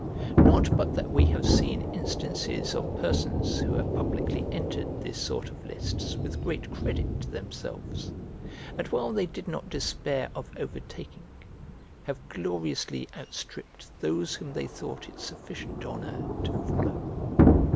Not but that we have seen instances of persons who have publicly entered this sort of lists with great credit to themselves, and, while they did not despair of overtaking, have gloriously outstripped those whom they thought it sufficient honour to follow.